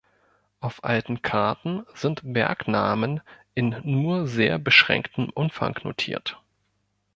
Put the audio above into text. Auf alten Karten sind Bergnamen in nur sehr beschränktem Umfang notiert.